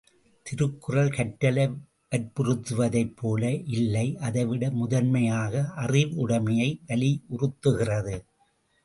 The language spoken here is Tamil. திருக்குறள் கற்றலை வற்புறுத்துவதைப் போல இல்லை, அதைவிட முதன்மையாக அறிவுடைமையை வலியுறுத்துகிறது.